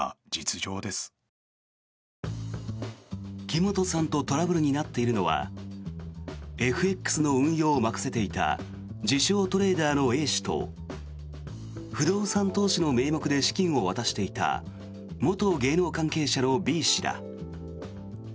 木本さんとトラブルになっているのはＦＸの運用を任せていた自称・トレーダーのＡ氏と不動産投資の名目で資金を渡していた元芸能関係者のＢ氏だ。